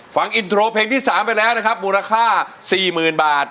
ฟังอินโทรเพลงที่๓ไปแล้วนะครับมูลค่า๔๐๐๐บาท